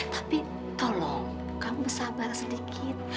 tapi tolong kamu sabar sedikit